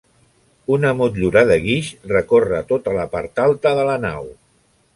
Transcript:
Una motllura de guix recorre tota la part alta de la nau.